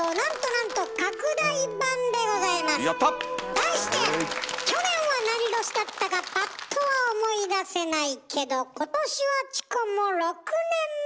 題して「去年はなに年だったかパッとは思い出せないけど今年はチコも６年目！